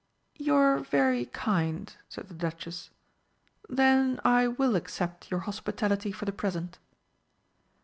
"You're very kind," said the Duchess. "Then I will accept your hospitality for the present."